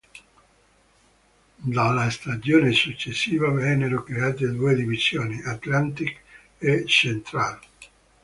Dalla stagione successiva vennero create due divisioni "Atlantic" e "Central".